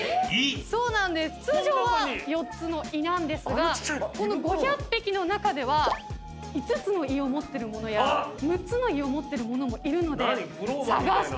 通常は４つの胃なんですがこの５００匹の中では５つの胃を持ってるものや６つの胃を持ってるものもいるので探してみてください。